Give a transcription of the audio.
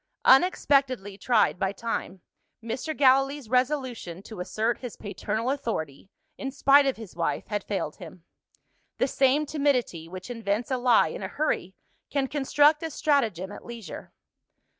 Unexpectedly tried by time, Mr. Gallilee's resolution to assert his paternal authority, in spite of his wife, had failed him. The same timidity which invents a lie in a hurry, can construct a stratagem at leisure.